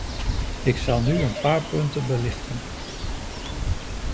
Ik zal nu een paar punten belichten.